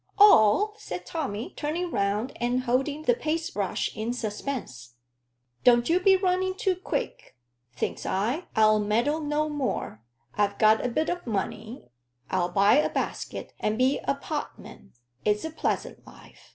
"All?" said Tommy, turning round and holding the paste brush in suspense. "Don't you be running too quick. Thinks I, 'I'll meddle no more. I've got a bit o' money I'll buy a basket, and be a pot man. It's a pleasant life.